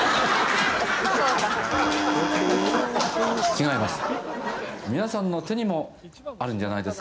違います